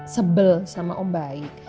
sebel sama om baik